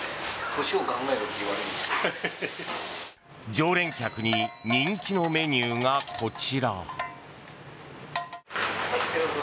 常連客に人気のメニューがこちら。